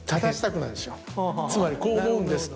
つまり「こう思うんです」